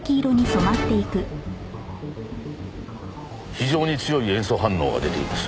非常に強い塩素反応が出ています。